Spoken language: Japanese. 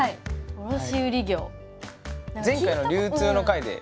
卸売業。